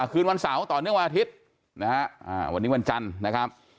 คืนวันเสาร์ต่อเนื่องวันอาทิตย์นะฮะวันนี้วันจันทร์นะครับ